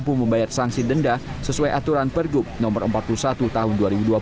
mampu membayar sanksi denda sesuai aturan pergub no empat puluh satu tahun dua ribu dua puluh